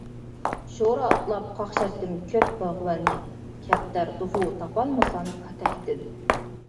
شورا ئاتلاپ قاقشاتتىم كۆپ باغۋەننى، كەپتەر، توخۇ تاپالمىسام كاتەكتىن.